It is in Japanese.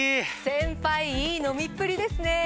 先輩いい飲みっぷりですね。